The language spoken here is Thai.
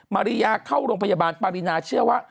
มาริยาเข้าโรงพยาบาลปารีนาเชื่อว่า